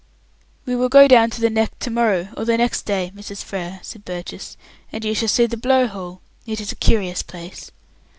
"We will go down to the Neck to morrow or next day, Mrs. Frere," said Burgess, "and you shall see the Blow hole. It is a curious place."